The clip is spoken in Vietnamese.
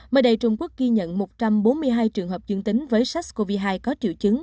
mới đây trung quốc ghi nhận một trăm bốn mươi hai trường hợp dương tính với sars cov hai có triệu chứng